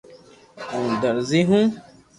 ھون درزي ھون